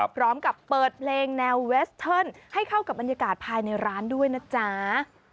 พร้อมกับเปิดเพลงแนวเวสเทิร์นให้เข้ากับบรรยากาศภายในร้านด้วยนะจ๊ะ